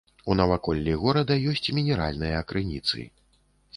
У наваколлі горада ёсць мінеральныя крыніцы.